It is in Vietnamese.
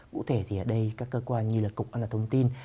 cụ thể thì ở đây các cơ quan như là cục an toàn thông tin